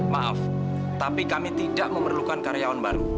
maaf tapi kami tidak memerlukan karyawan baru